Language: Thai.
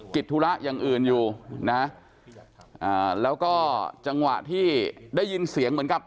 ธุระอย่างอื่นอยู่นะแล้วก็จังหวะที่ได้ยินเสียงเหมือนกับ